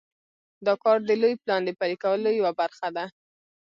دا کار د لوی پلان د پلي کولو یوه برخه ده.